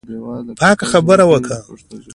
پاکه خبره وکړه.